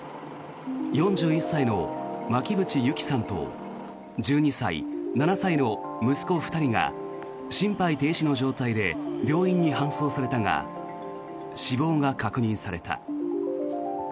４１歳の巻渕友希さんと１２歳、７歳の息子２人が心肺停止の状態で病院に搬送されたが死亡が確認された。